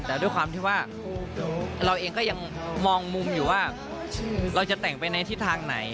แต่ด้วยความที่ว่าเราเองก็ยังมองมุมอยู่ว่าเราจะแต่งไปในทิศทางไหน